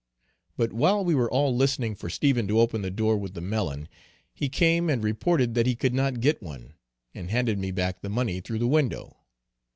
But while we were all listening for Stephen to open the door with the melon, he came and reported that he could not get one, and handed me back the money through the window.